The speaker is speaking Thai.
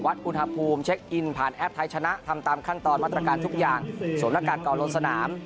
อุณหภูมิเช็คอินผ่านแอปไทยชนะทำตามขั้นตอนมาตรการทุกอย่างสวมหน้ากากก่อนลงสนาม